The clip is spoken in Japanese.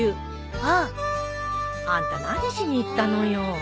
あっ！あんた何しに行ったのよ？